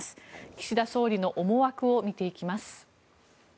岸田総理の思惑を見ていきます。